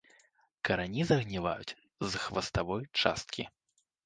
Карані загніваюць з хваставой часткі.